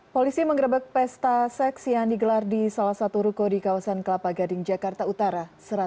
polisi mengerebek pesta seks yang digelar di salah satu ruko di kawasan kelapa gading jakarta utara